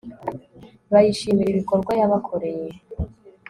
bayishimira ibikorwa yabakoreye